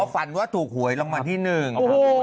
อ๋อฟันว่าถูกหวยลงมาที่หนึ่ง